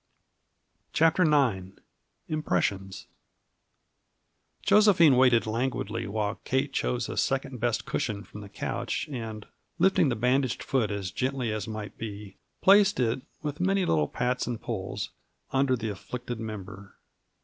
CHAPTER IX Impressions Josephine waited languidly while Kate chose a second best cushion from the couch and, lifting the bandaged foot as gently as might be, placed it, with many little pats and pulls, under the afflicted member.